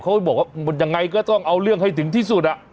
เขาบอกว่ามันยังไงก็ต้องเอาเรื่องให้ถึงที่สุด